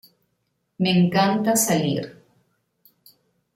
Me encanta salir.